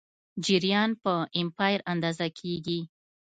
جریان په امپیر اندازه کېږي.